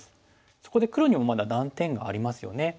そこで黒にもまだ断点がありますよね。